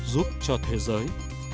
giúp cho thế giới